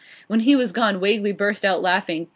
When he was gone Wagley burst out laughing.